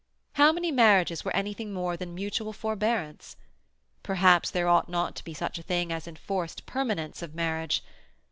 How many marriages were anything more than mutual forbearance? Perhaps there ought not to be such a thing as enforced permanence of marriage.